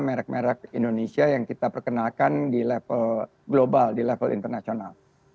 merek merek indonesia yang kita perkenalkan di level global di level internasional